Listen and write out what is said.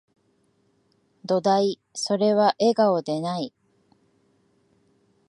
どだい、それは、笑顔でない